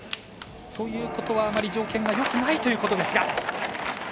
ということはあまり条件はよくないということですが。